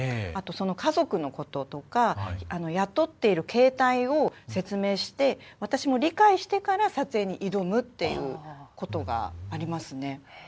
あと、その家族のこととか雇っている形態を説明して、私も理解してから撮影に挑むっていうことがありますね。